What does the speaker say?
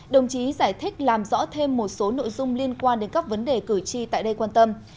đồng chí giải thích làm rõ thêm một số nội dung liên quan đến các vấn đề cử tri tại đây quan tâm